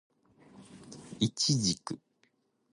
イチジク